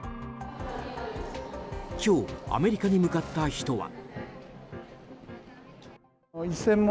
今日、アメリカに向かった人は。